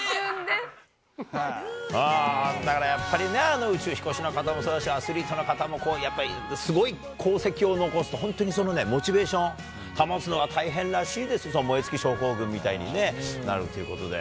だからやっぱりな、宇宙飛行士の方もそうだし、アスリートの方もすごい功績を残すと、本当にそのモチベーション、保つのは大変らしいです、燃え尽き症候群みたいになるということで。